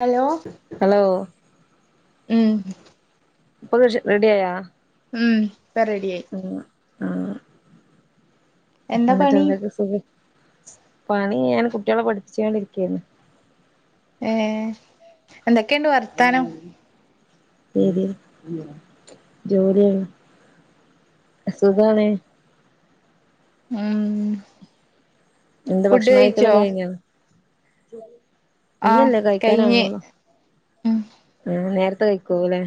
Hello hello മ് ഇപ്പ [unintelligible] റെഡിയായ? മ് ഇപ്പ റെഡിയായി. ആ എന്താ എന്നിട്ട് പണി എന്തൊക്കെ? സുഖം. പണി ഞാൻ കുട്ടികളെ പഠിപ്പിച്ചോണ്ടിരിക്കായിരുന്നു. ഏ എന്തൊക്കെയുണ്ട് വർത്താനം? ശെരി ജോലിയാണ്. സുഖാണ്. മ് എന്ത് ഭക്ഷണം കഴിക്കല് കഴിഞ്ഞോ? ആഹ് ഇല്ലല്ലേ കഴിഞ്ഞ് കഴിക്കാനാവണേ ഒള്ളു. ഉം മ് നേരത്തെ കഴിക്കൂലെ?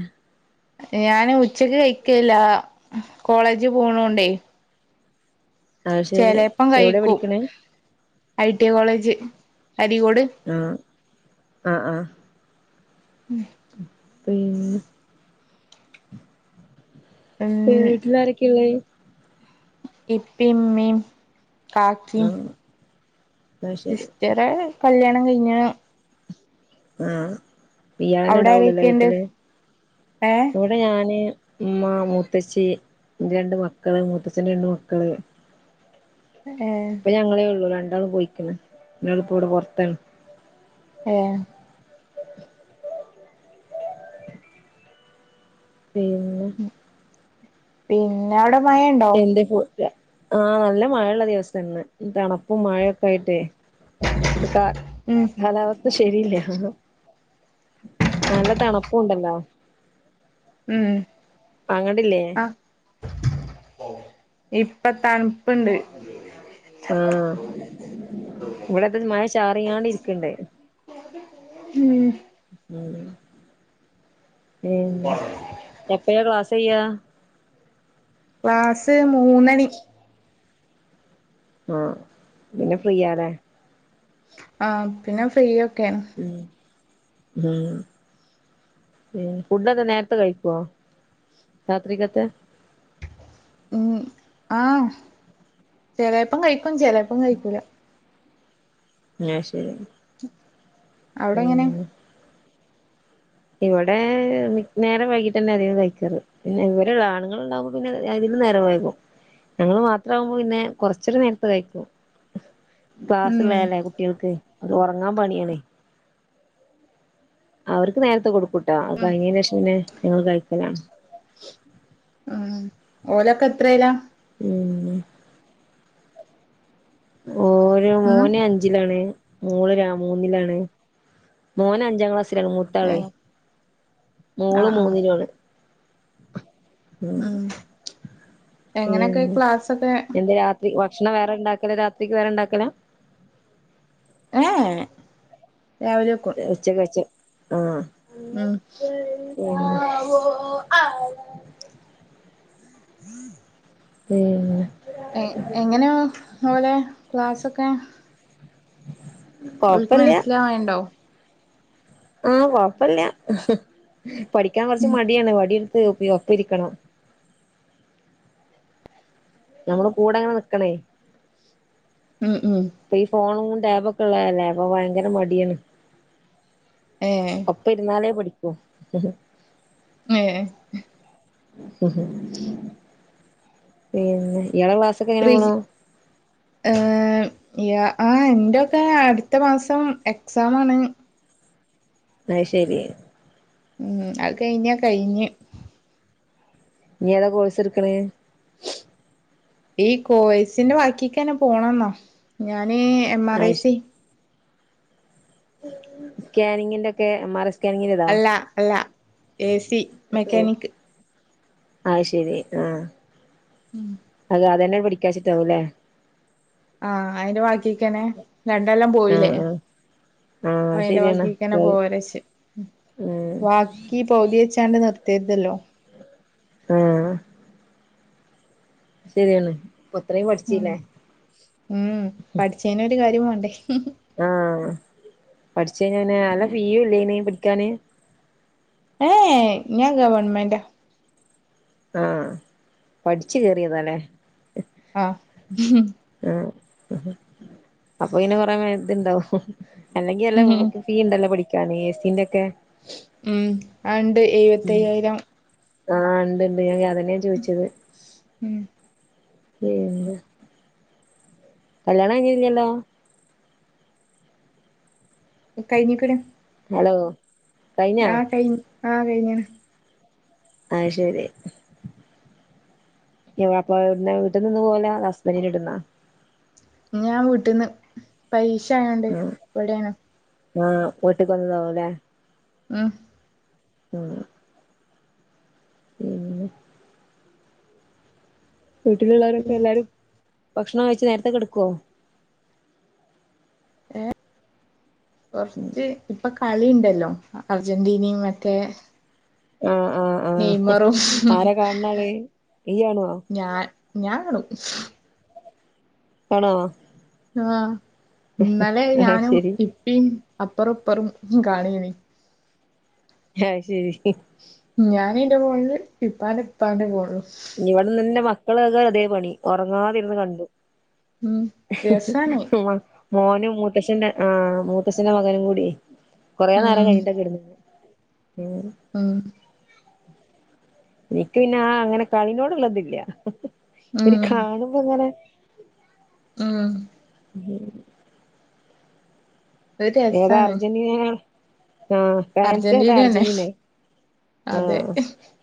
ഞാന് ഉച്ചക്ക് കഴിക്കില്ല, കോളേജ് പോണ കൊണ്ടേ. അത് ശരി ചെലേപ്പം എവിടെ കഴിക്കും, പഠിക്കണേ ഐ ടി കോളേജ്. അരീക്കോട് ആ ആ ആ മ് പിന്നെ? ഉം വീട്ടിലാരക്കയാ ഉള്ളേ? ഇപ്പിം ഇമ്മേം കാക്കിം. ആഹ് അത് ശരി സിസ്റ്ററെ കല്യാണം കഴിഞ്ഞ ആ ഇയാള് ന്നെ അവിടെ ഇണ്ടാവുള്ളുലെ ആരൊക്കെയുണ്ട് വീട്ടില്, ഏഹ് ഇവിടെ ഞാന് ഉമ്മ, മുത്തശ്ശി, രണ്ട് മക്കള്, മൂത്തച്ഛന്റെ രണ്ട് മക്കള് ഏഹ് ഇപ്പ ഞങ്ങളേ ഒള്ളൂ, രണ്ടാളും പോയിക്കണ്, ഒരാളിപ്പ ഇവട പൊറത്താണ്. ഏ പിന്നാ? പിന്ന അവിടെ മയ ഇണ്ടോ? ആ നല്ല മഴയിള്ള ദിവസവാ ഇന്ന്, തണുപ്പും മഴയൊക്കെ ആയിട്ടെ. കാ ഉം കാലാവസ്ഥ ശെരിയില്ല. നല്ല തണുപ്പുണ്ടല്ലോ? ഉം വാങ്ങണ്ടില്ലേ? ആഹ് ഇപ്പ തണുപ്പ്ണ്ട്. ആ ഇവട ഇപ്പം മഴ ചാറിയാണ്ട് ഇരിക്കണ്ടേ. മ് മ് ഏ എപ്പഴ ക്ലാസ് കഴിയ? ക്ലാസ് മൂന്നണി. ആ പിന്നെ ഫ്രീയാലേ? ആ പിന്നെ ഫ്രീ ഒക്കെയാണ്. മ് മ് ഫുഡോക്കെ നേരത്തെ കഴിക്കുവോ രാത്രിക്കത്തെ? മ് ആ ചെലേപ്പം കഴിക്കും, ചിലേപ്പം കഴിക്കൂല. ആ ശെരി. അവിടെങ്ങനെ? ഇവിടെ നേരെ വൈകിട്ടന്നെ അധികം കഴിക്കാറ് പിന്നെ ഇവരെ ആണുങ്ങൾ ഉണ്ടാവുമ്പോ പിന്നെ അ നേരം വൈകും ഞങ്ങള്ൾ മാത്രം ആകുമ്പോ പിന്നെ കൊറച്ചൊക്കെ നേരത്തെ കഴിക്കും ഉം ക്ലാസ്സ്‌ളല്ലേ കുട്ട്യേൽക്ക് അത് ഉറങ്ങാൻ പണിയണേ അവർക്ക് നേരത്തെ കൊടുക്കൂട്ടോ കഴിഞ്ഞതിന് ശേഷംന്നെ ഞങ്ങള് കഴിക്കലാണ് [inaudible] ഉം ഓലൊക്കെ എത്രേലാ മ്മ് ഓ ഉം മോന് അഞ്ചിലാണ് മോള് മൂന്നിലാണ് മോന അഞ്ചാം ക്ലാസ് ആണ് മൂത്താളെ ഏഹ് മോള് ആഹ് മൂന്നിലും ആണ് ആഹ ഉം എന്ത് രാത്രി ഭക്ഷണം വേറെ ഇണ്ടാക്കല രാത്രിക്ക് വേറെ ഇണ്ടാക്കല ആ ഉച്ചക്ക് കഴിച്ചു ആഹ ഉം ആഓ ആ ഹം മ്മ് എങ്ങനെ ഓലെ ക്ലാസ്ഒക്കെ അവക്ക് കൊഴപ്പില്ല മനസ്സിലാവണ്ടോ ആഹ് കൊഴപുല്ല ഹ പഠിക്കാൻ കൊറച്ചു മടിയാണ് വടി ഒപ്പരിക്കണം നമ്മള് കൂടെങ്ങനെ നിക്കണേ ഉം ഉം ഇ ഈ ഫോണ ടാബഒക്കെ ഒള്ളല്ലേ അപ്പൊ ഭയങ്കര മടിയാണ് ഏഹ് ഒപ്പ ഇരുന്നാലേ പടി ഓ ആാാ ഉ പിന്നെ ഇയാള ക്ലാസ്ഒക്കെ എങ്ങനെ കൃഷി പോണൂ ആ ന്റെൊക്കെ അടുത്ത മാസം എക്സസം ആണ് അയ്യശേരി ഉം അത് കഴിഞ്ഞാ കഴിഞ്ഞ് നി ഏതാ കോഴ്സ് എടുക്കണേ ഈ കോഴ്സിന്റെ ബാക്കിക്ക്ന്നെ പോണംന്നാ ഞൻ എം ആർ ആഹ് ഐസി സ്കാനിങ്ങിന്റെ ഒക്കെ മറ അല്ലാ അല്ലാ എസി മെക്കാനിക് ആഹ ശരി ആഹ ഉം അതെ അതെന്നെ പിഠിക്കാച്ചിട്ടാവൂല്ലെ ആഹ അയിന്റെ ബാക്കിക്കനെ രണ്ടൊ ല്ലം പോയില്ലേ ആഹ് ആഹ് അ ആഹ് അയിന്റെ ശരിയാണ് ബാക്കിക്ക്ന്നെ പോവാലോച് ഉം ബാക്കി പൗതി വെച്ചാണ്ട് നിർ തിതില്ലോ ആഹ ശരിയാണ് അ ത്രയും ഉം പഠിച്ചീലെ ഉം പഠിച്ചേനൊരു കാര്യം വേണ്ടേ ആഹ പഠിച്ചയ്ഞ്ഞ പിന്നെ നല്ല ഫീ ഇല്ല്യയന്‌ പഠിക്കാന് ഏ ഞാൻ ഗവൺമെന്റെ ആഹ പഠിച്ചു കേറിയതാല്ലേ ആഹ ആഹ് അപ്പൊ ഇങ്ങനെ കൊറെേ ഇതുണ്ടാവും അല്ലെങ്കി അല്ല ഉം ഫീ ഉണ്ടല്ല പഠ എസിൻന്റെക്കെ ഉം ആണ്ട് എഴുപത്തയ്യായിരം ആ ഉണ്ട് ഇണ്ട് ഞാൻ അതന്നെയാ ചോദിച്ചത്. ഉം ഏന്ത് കല്യാണം കഴിഞ്ഞില്ലല്ലോ? കഴിഞ്ഞ്ക്ക്ണ് ഹലോ കഴിഞ്ഞോ ആ കഴിഞ് ആ കഴിഞ്ഞ്ണ് അഹ് ശെരി എ [unintelligible] അപ്പവ്ട്ന്നെ‌ വീട്ട് ന്ന്ന്ന് പോകലാ അതോ ഹസ്ബന്റിന്റെ വീട്ട്ന്നോ? ഞാ വീട്ട്ന്ന് പരീക്ഷായോണ്ട് ഇവടേണ്. ആ അപ്പോ വീട്ട്ക്ക് വന്നതാവുലേ മ് ഉം പിന്നെ വീട്ടില്ള്ളവരൊക്കെ എല്ലാരും ഭക്ഷണം കഴിച്ച് നേരത്തെ കെടക്കോ? ഏ കൊറച്ച് ഇപ്പക്ക് കളിണ്ടല്ലോ അർജന്റീനിം മറ്റേ ആഹ് ആഹ് ആഹ് നെയ്മറും ആരാ കാൺണാള് ഇയ്യാണോ ഞാൻ ഞാ കാണും കാണോ? ആ ഇന്നലെ അഹ് ഞാനും ശരി ഇപ്പിം അപ്പറുപ്പറും കാണേനി അഹ് ശെരി ഞാനിന്റെ ഫോണില് ഇപ്പാൻ ഇപ്പാന്റെ ഫോണ്ലും ഇവിടെന്ന്ന്റെ മക്കളതാ അതേ പണി ഒറങ്ങാതിര്ന്ന് കണ്ട് ഉം രസാണ് [unintelligible] മോനും മൂത്തശ്ശന്റെ ആ മൂത്തശ്ശന്റെ മകനുംകൂടിയെ കൊറേ നേരം ഉം കഴിഞ്ഞിട്ടാ ക്കെടന്നേ. പിന്നെ ഉം എനിക്ക് പിന്നെ ആ അങ്ങനെ കളിനോടുള്ളതില്ല്യ ഇവര് കാണുമ്പങ്ങനെ മ് ഒരു ഏതാ രസാണ് അർജന്റീനയാ? ആ ഫേൻസേതാ അർജന്റീനന്നെ അർജെന്റീനേ? ആ അതെ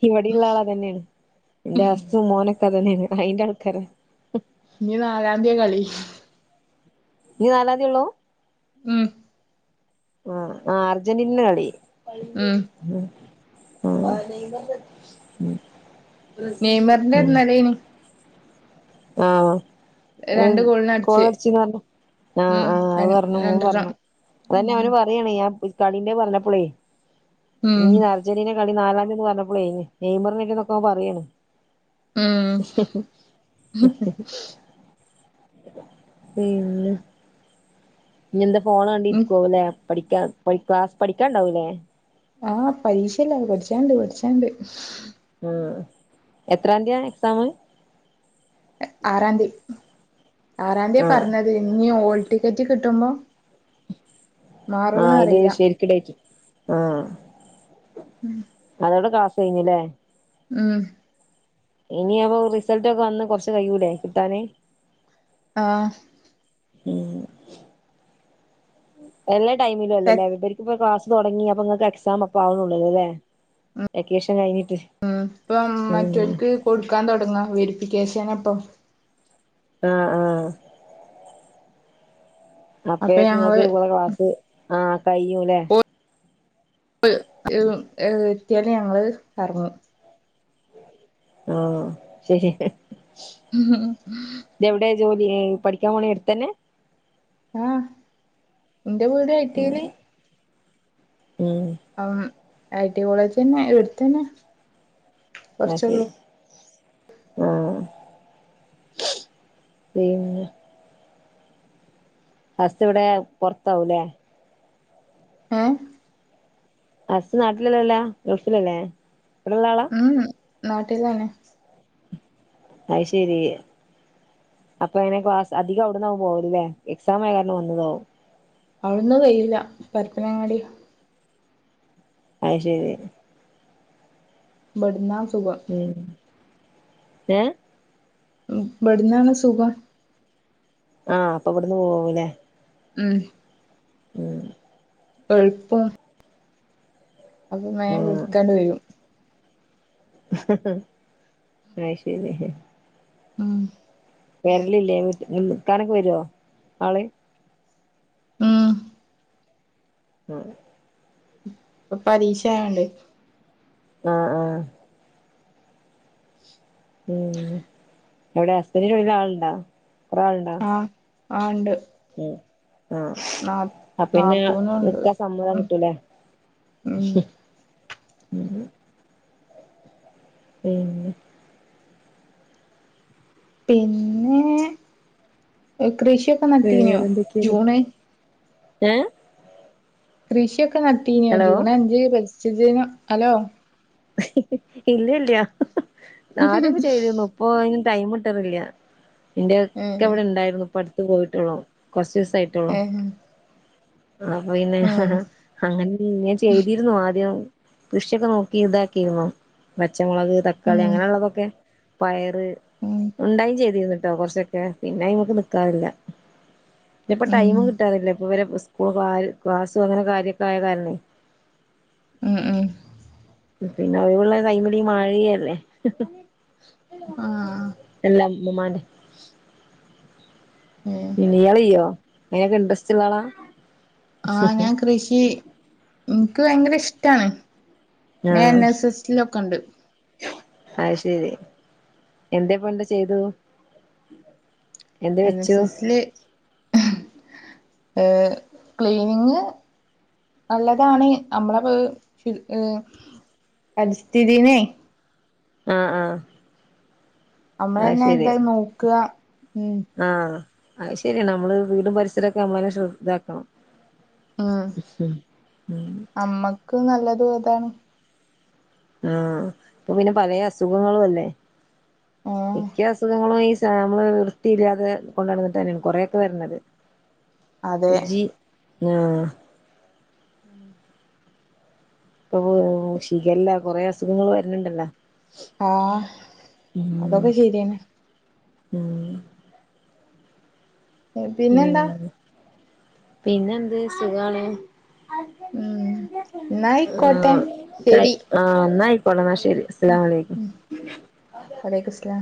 ഇവടിള്ള ആളതന്നേണ് എന്റെ ഹസ്സും മോനൊ ക്ക അതന്നെയാണ് അയിന്റെ ആൾക്കാരാ ഇഞ്ഞ് നാലാംതിയാകളി ഇഞ്ഞ് നാലാന്തിയൊള്ളൂ? ഉം ആ ആ അർജന്റീനന്റെ കളി ഉം [unintelligible] ആ നെയ്മറ് [unintelligible] നെയ്മറ്ന്റെ ഇന്നലേനി ആ രണ്ട് അഹ് ഗോളിന് അടിച്ച് ഗോളടിച്ചിന്ന് പറഞ്ഞ് ആഹ് ഉം ആഹ് അഹ് പറ്ഞ്ഞു രണ്ടെണ്ണം മോംപറഞ്ഞു അതന്നെ ഉം ഓന് പറയാണേ ആ ഫി കളിന്റെ പറഞ്ഞപ്പളേ ഉം ഇഞ്ഞ് അർജന്റീനന്റെ കളി നാളെ ന്ന് പറഞ്ഞപ്പളേ നെയ്മറ് [unintelligible] ഓൻ പറയാണ് ഉം പിന്നെ ഇഞ്ഞന്താ ഫോണ് ഉം കണ്ട്‌രിക്കാവുല്ലേ പഠിക്കാ പഠിക്കാ പഠിക്കാണ്ടാവൂലേ? ആഹ പരീക്ഷല്ലേ പഠിച്ചാണ്ട് പഠിച്ചാണ്ട് ആ എത്രാന്തിയാണെക്സാമ്? ആറാന്തീ ആറാംതിയ ആഹ പറഞ്ഞത് ഇഞ്ഞ് ഓൾ ടിക്കറ്റ് കിട്ടുമ്പോ ആഹ മാറോന്ന് അയില് അറിയില്ല ശെരിക്ക് ടെയിറ്റ്‌ [inaudible] ആഹാ ഉം അതോടെ ക്ലാസ്സ് കയ്ഞ്ഞ്ലേ? ഉം ഇനി അപ്പൊ റിസൾറ്റൊക്കെ വന്ന് കൊർച്ച് കയ്യൂലേ കിട്ടാന്? ആഹ് ഉം എല്ലാ ടൈമിലു അല്ലലേ, ഇവർക്ക്പ്പൊ ക്ലാസ് തൊട്ങ്ങി, അപ്പ ങ്ങക്ക് എക്സാം പ്പോ ആവ- ണൊള്ളല്ലലെ, വെക്കേഷൻ കഴിഞ്ഞ് ഉം. ഇപ്പം മറ്റോൽക്ക് കൊടുക്കാൻ തൊട്ങ്ങാ, വെരിഫിക്കേഷൻ അപ്പൊ ആ ആ അപ്പൊ അപ്പഴേക്ക് ങ്ങക്ക് ഞങ്ങള് ഇങ്ങളെ ക്ലാസ്, ആ കയ്യൂലെ? [unintelligible] ഏ ഏ എത്തിയാല് ഞങ്ങള് എറങ്ങും. ആ ശരി ഉം ഹും. ഇതെവിടെ ജോലി ഏ, പഠിക്കാൻ പോണ എട്ത്തെന്നെ? [inaudible] ഉം ഉം ഐ ടി കോളേജെന്നെ, ഇവിട്ത്തെന്നെ ന്നാ ശരി. ആ പിന്നെ ഹസ്സ് വ്ടേ പൊറത്താവൂലേ? ഏ? ഹസ്സ് നാട്ടിലല്ലല്ലാ ഗൾഫിലല്ലേ, ഇവിടെള്ളാളാ? ഉം നാട്ടിലാണ് അയ് ശരി. അപ്പൊ എങ്ങനെ ക്ലാസ്സ്, അധികം അവിട്ന്നാവും പോകല് ലേ? എക്സായ കാരണം വന്നതാവും. അവിട്ന്നും കയൂല്ല, പരപ്പനങ്ങാടിയാ അഅ് ശരി ബട്ന്നാ ഉം. ഏ? ഇബട്ന്നാണ് സുഖം. ആ അപ്പൊ ഇവട്ന്ന് പോവുംല്ലേ ഉം. ഉം. കൊഴപ്പം അപ്പൊ മേം വിളിക്കാണ്ട് വരും. അഅ് ശരി ഉം. കേരലില്ലേ വീട്ട് നിക്കാനൊക്കെ വരോ ആള് ഊം. ഉം ഇപ്പ പരീക്ഷയായോണ്ട് ആ ആഹ് ഉം എവിടെ അസ്ഥനി ചോുന്ന ആളുണ്ടാ കുറ ആളുണ്ടാ ആണ്ട് മ് ആ അ പിന്നെ നിക്കാ സമ്മതം കിട്ടൂലേ മ് [unintelligible] പിന്നെ പിന്നേ..... എ കൃഷിയൊക്കെ നട്ടീന്യോ വേറെന്തൊക്കെയ ജൂണ് ഏ? കൃഷിയൊക്കെ നട്ടീന്യൊ? ഹലോ ജൂൺ അഞ്ച് പരിസ്ഥിതിദിനം അലോ ഹി ഹി ഹി ഇല്ല ഇല്ലാ. ആദ്യക്കെ ചെയ്തിന്നു ഇപ്പൊ അതി ടൈം ഇട്ടറില്ല. ഏഹ് ഇന്റെക്കവിടെ ഇണ്ടായിരുന്നു, ഇപ്പട്ത്ത് പോയിട്ടുള്ളൂ. കുറച്ച്സ് ഏഹ് അപ്പൊ പിന്നെ ആ ഏഹ് ഹാ അങ്ങനെ ഇങ്ങൻ ചെയ്തിരുന്നു ആദ്യം കൃഷിയൊക്കെ നോക്കി ഇതാക്കിരുന്നു പച്ചമുളക് തക്കാളി ഉം അങ്ങനെ ഉള്ളതൊക്കെ പയ അത് ഉം ഉണ്ടായിം ചെയ്തിന്നു ട്ടോ കൊറച്ചൊക്കെ പിന്നെ അയ്മക്ക് നിക്കാറില്ല ഞപ്പ ഉം ടൈമും കിട്ടാറില്ല ഇപ്പ വരെ സ്കൂൾ ക്ലാസ്സും അങ്ങനെ കാര്യൊക്കെ ആയ കാരണേ മ് മ് പിന്നെ ഒഴിവുള്ള ടൈമില് ഈ മഴിയല്ലേ ആഹ് എല്ല മ്മമ്മാന്റെ ഏഹ് ഇ ഇയാളയ്യോ അയിനൊക്കെ ഇൻട്രസ്റ്റ് ഇള്ളാളാ ആഹ ഞാൻ കൃഷി ഇൻക്ക് ഭയങ്കര ഇഷ്ടാണ് നാൻ എൻ ആഹ് എസ് എസിലൊക്കെണ്ട് എന്തേപ്പം എന്ത ചെയ്തു എന്ത് എൻ വെച്ചു എസ് എസില് അഹ് ഏ ക്ലീനിങ് നല്ലതാണ് നമ്മളപ്പൊ ഫിൽ ഹേ പരിസ്ഥിതിന്നെ ആഹ ആഹ നമ്മളെന്നെ എന്തായ് നോക്ക ആഹ അത് ശരിയാ നമ്മള് വീടും പരിസരൊക്കെ നമ്മളെന്നെ ശ്ര ദാക്കണം. ഉം അമ്മക്ക് നല്ലത് അതാണ് ആ ഇപ്പൊ പിന്നെ പലേ അസുഖങ്ങളും അല്ലേ ഏഹ് മിക്ക അസുഖങ്ങളും ഇ നമ്മള് വൃത്തിയില്ലാതെ കൊണ്ടടന്നിട്ടെന്നേണ് കൊറെക്കെ വരണത്. അതെ ഞാ ഉം ഇപ്പൊ പൊ ഷീഖല്ല കൊറെ അസുഖങ്ങൾ വരനുണ്ടല്ലോ. ആഹ അതൊക്കെ ശരിയെന്നെ മ് പിന്നെന്താ പിന്നെന്ത് സുഖാണ് ഉം ആ എന്നായിക്കോട്ടെ തയ് ശരി ആ ന്നായികോട്ടെ ന്നാ ശെ ഉം അസ്സമുലൈകും ഉം വലൈക്കും സ്ലാം